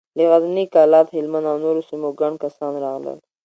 له غزني، کلات، هلمند او نورو سيمو ګڼ کسان راغلل.